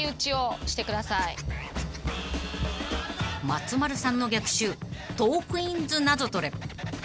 ［松丸さんの逆襲トークィーンズナゾトレ］